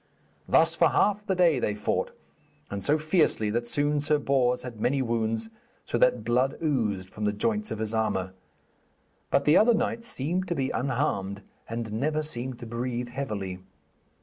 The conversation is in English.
Thus for half the day they fought, and so fiercely that soon Sir Bors had many wounds, so that blood oozed from the joints of his armour. But the other knight seemed to be unharmed, and never seemed to breathe heavily.